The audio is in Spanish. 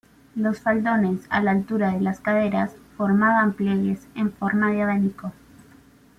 Los faldones a la altura de las caderas formaban pliegues en forma de abanico.